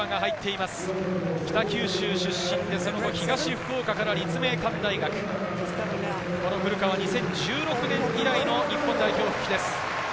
北九州出身で、それも東福岡から立命館大学、この古川、２０１６年以来の日本代表復帰です。